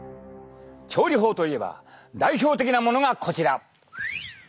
調理法といえば代表的なものがこちら。